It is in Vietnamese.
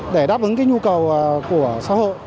để đáp ứng cái nhu cầu của xã hội